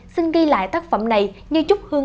xin ghi lại tác phẩm này như chúc hương